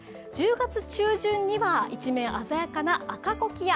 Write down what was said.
１０月中旬には一面鮮やかな赤コキア。